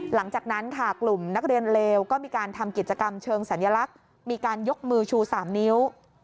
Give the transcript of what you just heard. หลังจากนั้นค่ะกลุ่มนักเรียนเลวก็มีการทำกิจกรรมเชิงสัญลักษณ์มีการยกมือชู๓นิ้ว